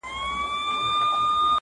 چي فتوا و میکدو ته په تلو راوړي,